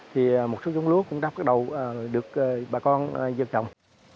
thì một số giống lúa cũng đắp các đầu được bà con gieo trồng